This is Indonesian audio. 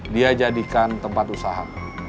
dia jadikan tempat usaha